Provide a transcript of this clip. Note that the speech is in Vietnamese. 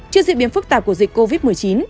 trước diễn biến phức tạp của dịch covid một mươi chín